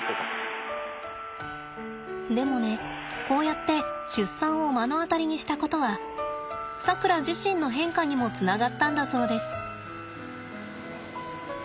でもねこうやって出産を目の当たりにしたことはさくら自身の変化にもつながったんだそうです。